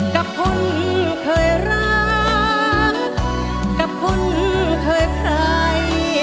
กับคนเคยรักกับคนเคยใคร